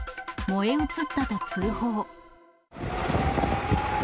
燃え移ったと通報。